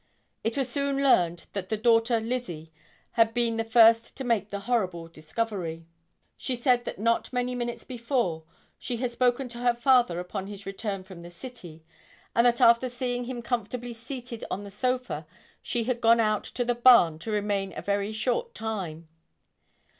It was soon learned that the daughter Lizzie had been the first to make the horrible discovery. She said that not many minutes before, she had spoken to her father upon his return from the city; and that after seeing him comfortably seated on the sofa she had gone out to the barn to remain a very short time.